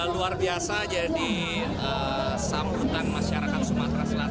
luar biasa jadi sambutan masyarakat sumatera selatan